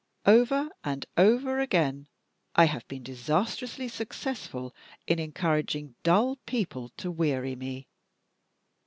Over and over again, I have been disastrously successful in encouraging dull people to weary me.